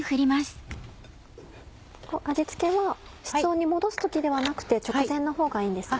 味付けは室温に戻す時ではなくて直前のほうがいいんですね。